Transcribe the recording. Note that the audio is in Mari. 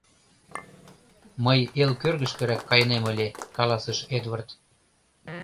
— Мый эл кӧргышкырак кайынем ыле, — каласыш Эдвард.